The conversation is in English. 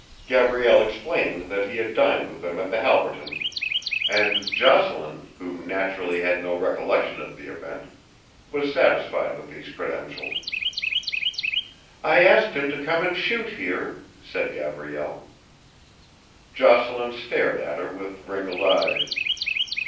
Gabrielle explained that he had dined with them at the Halbertons, and Jocelyn, who naturally had no recollection of the event, was satisfied with these credentials. "I asked him to come and shoot here," said Gabrielle. Jocelyn stared at her with wrinkled eyes.